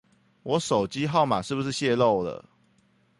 我手機號碼是不是洩露了